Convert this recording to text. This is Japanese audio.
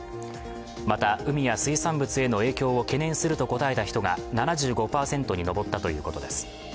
また海や水産物への影響を懸念すると答えた人が７５％に上ったということです。